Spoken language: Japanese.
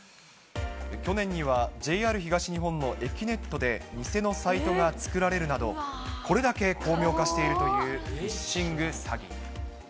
去年には、ＪＲ東日本のえきネットで、偽のサイトが作られるなど、これだけ巧妙化しているというフィッシング詐欺。